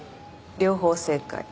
両方正解。